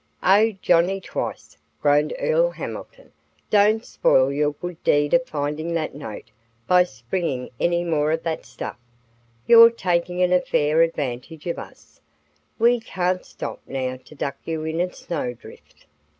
"Oh, Johnny Twice!" groaned Earl Hamilton. "Don't spoil your good deed of finding that note by springing any more of that stuff. You're taking an unfair advantage of us, for we can't stop now to duck you in a snowdrift."